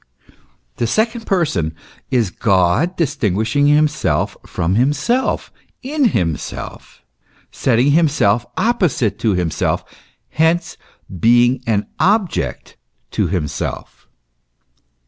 The second Person is God distinguishing himself from himself in himself, setting himself opposite to himself, hence being an object to himself.